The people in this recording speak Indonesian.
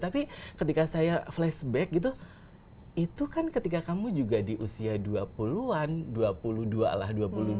tapi ketika saya flashback gitu itu kan ketika kamu juga di usia dua puluh an dua puluh dua lah dua puluh dua